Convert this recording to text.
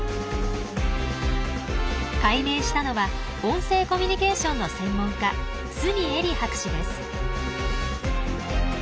解明したのは音声コミュニケーションの専門家角恵理博士です。